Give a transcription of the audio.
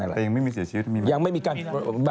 แต่ยังไม่มีเสียชีวิต